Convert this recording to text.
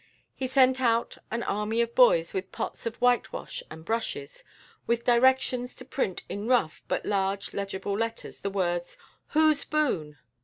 He sent out an army of boys with pots of whitewash and brushes, with directions to print in rough but large legible letters the words, "Who's Boone?"